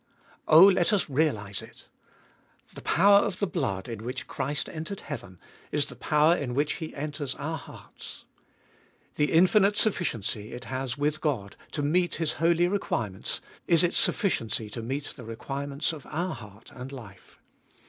Oh, let us realise it. The power of the blood in which 302 Cbe holiest of ZUI Christ entered heaven, is the power in which He enters our hearts. The infinite sufficiency it has with God, to meet His holy requirements, is its sufficiency to meet the requirements of our heart and life.